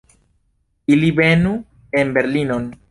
Ili venu en Berlinon!